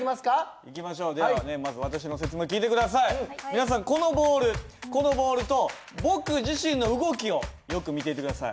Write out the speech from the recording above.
皆さんこのボールこのボールと僕自身の動きをよく見ていて下さい。